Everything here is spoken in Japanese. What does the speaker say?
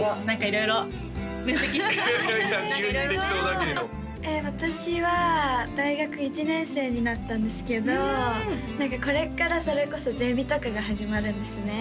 いやいや急に適当だけれど私は大学１年生になったんですけどこれからそれこそゼミとかが始まるんですね